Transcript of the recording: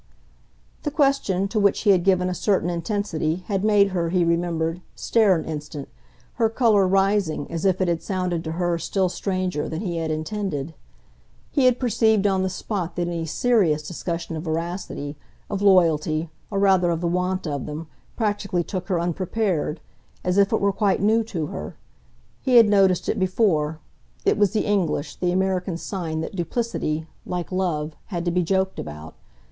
The question, to which he had given a certain intensity, had made her, he remembered, stare an instant, her colour rising as if it had sounded to her still stranger than he had intended. He had perceived on the spot that any SERIOUS discussion of veracity, of loyalty, or rather of the want of them, practically took her unprepared, as if it were quite new to her. He had noticed it before: it was the English, the American sign that duplicity, like "love," had to be joked about.